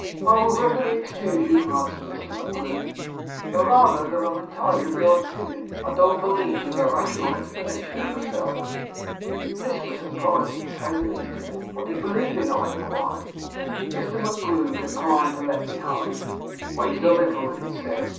"I'll readily excuse you," answered Mr. MacGlue; "the rather that I'm entirely of your opinion. I don't believe in the rational explanation myself." This was surprising, to say the least of it. "What do you believe in?" I inquired. Mr. MacGlue declined to let me hurry him. "Wait a little," he said.